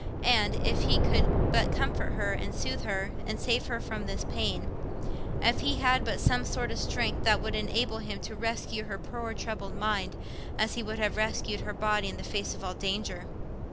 Ah, if he could but comfort her, and soothe her, and save her from this pain; if he had but some sort of strength that would enable him to rescue her poor troubled mind, as he would have rescued her body in the face of all danger!